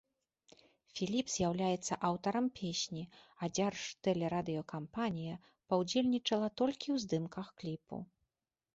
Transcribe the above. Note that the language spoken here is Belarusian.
Філіп з'яўляецца аўтарам песні, а дзяржтэлерадыёкампанія паўдзельнічала толькі ў здымках кліпу.